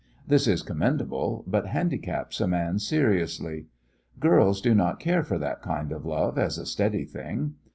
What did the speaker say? This is commendable, but handicaps a man seriously. Girls do not care for that kind of love as a steady thing.